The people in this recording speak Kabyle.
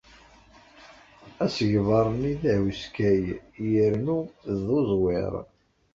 Asegbar-nni d ahuskay yernu d uẓwir.